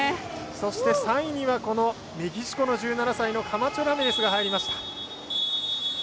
そして３位にはメキシコの１７歳のカマチョラミレスが入りました。